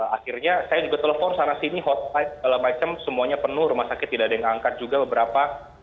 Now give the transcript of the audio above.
akhirnya saya juga telepon sana sini hotline segala macam semuanya penuh rumah sakit tidak ada yang angkat juga beberapa